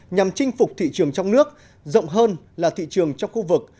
nhằm chinh phục thị trường trong nước rộng hơn là thị trường trong khu vực